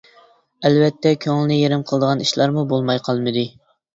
ئەلۋەتتە، كۆڭۈلنى يېرىم قىلىدىغان ئىشلارمۇ بولماي قالمىدى.